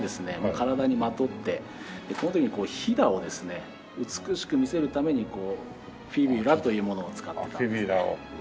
体にまとってその時にひだをですね美しく見せるためにフィビュラというものを使ってたんですね。